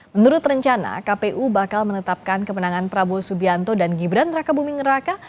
menurut rencana kpu bakal menetapkan kemenangan prabowo subianto dan gibran raka buming raka